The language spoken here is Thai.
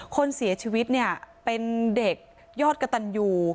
คนเสียชีวิตเนี่ยเป็นเด็กยอดกระตันยู